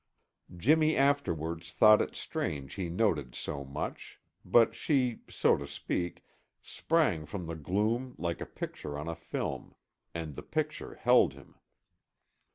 Jimmy afterwards thought it strange he noted so much, but she, so to speak, sprang from the gloom like a picture on a film, and the picture held him.